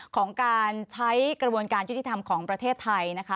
ของการใช้กระบวนการยุติธรรมของประเทศไทยนะคะ